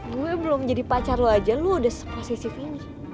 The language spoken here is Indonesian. gue belum jadi pacar lo aja lo udah seposisi ini